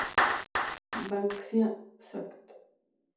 Banksia" sect.